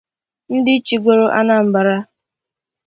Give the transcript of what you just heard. ndi chigoro Anambra